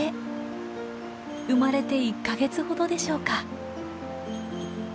生まれて１か月ほどでしょうか。